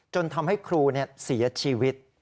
จนทำให้ครูเสียชีวิต